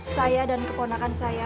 saya dan keponakan saya